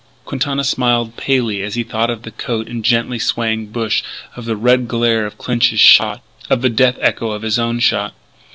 Quintana smiled palely as he thought of the coat and the gently swaying bush of the red glare of Clinch's shot, of the death echo of his own shot.